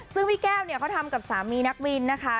ซึ่งพี่แก้วเนี่ยเขาทำกับสามีนักบินนะคะ